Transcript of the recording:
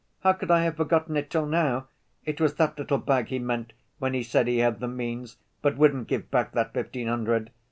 How could I have forgotten it till now? It was that little bag he meant when he said he had the means but wouldn't give back that fifteen hundred.